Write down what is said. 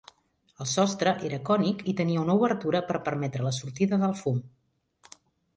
El sostre era cònic i tenia una obertura per permetre la sortida del fum.